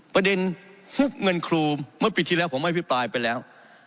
ประเด็นฮุบเงินครูเมื่อปีที่แล้วผมอภิปรายไปแล้ว